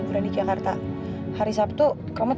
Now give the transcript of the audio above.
gue gak inget sama sekali